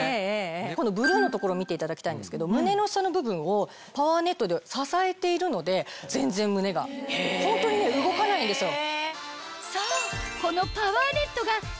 このブルーの所を見ていただきたいんですけど胸の下の部分をパワーネットで支えているので全然胸がホントにね動かないんですよ。